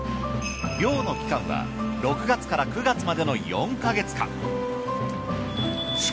漁の期間は６月から９月までの４ヶ月間。